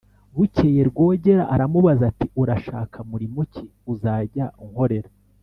bukeye rwogera aramubaza, ati: "urashaka murimo ki uzajya unkorera ?"